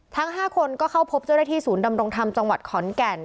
ทั้ง๕คนก็เข้าพบเจ้าหน้าที่ศูนย์ดำรงธรรมจังหวัดขอนแก่น